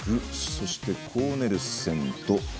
そして、コーネルセン。